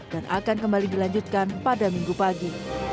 dan akan kembali dilanjutkan pada minggu pagi